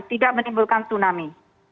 tidak menimbulkan tsunami